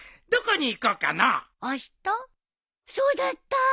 そうだった！